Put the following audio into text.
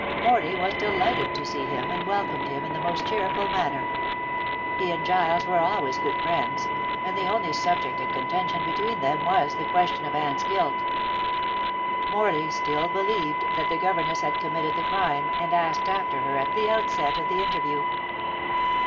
Morley was delighted to see him and welcomed him in the most cheerful manner. He and Giles were always good friends, and the only subject of contention between them was the question of Anne's guilt. Morley still believed that the governess had committed the crime and asked after her at the outset of the interview.